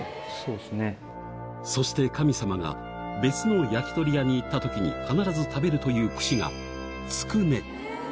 そして神様が別の焼き鳥屋に行ったときに必ず食べるという串が、つくね。